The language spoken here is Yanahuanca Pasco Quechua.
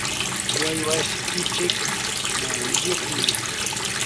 waywash ichik nawiyuqmi.